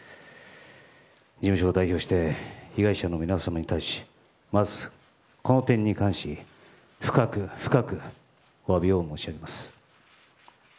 事務所を代表して被害者の皆様に対しまずこの点に関し深く深くお詫びを申し上げます。